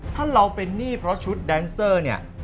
ถ้าเราเป็นหนี้เพราะชุดแดนเซอร์เนี่ย